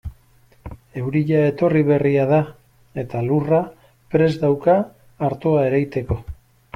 Euria etorri berria da eta lurra prest dauka artoa ereiteko.